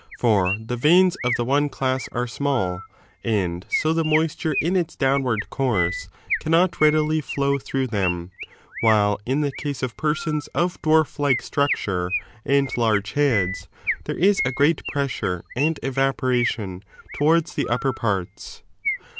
For the veins of the one class are small and so the moisture in its downward course cannot readily flow through them, while in the case of persons of dwarf like structure and large heads, there is a great pressure and evaporation towards the upper parts.